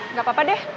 nggak apa apa deh